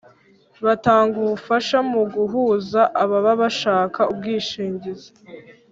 Batanga ubufasha mu guhuza ababa bashaka ubwishingizi